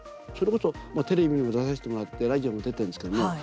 それこそテレビにも出させてもらってラジオも出てるんですけどね。